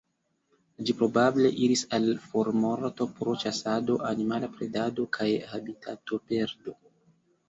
Ĝi probable iris al formorto pro ĉasado, animala predado, kaj habitatoperdo.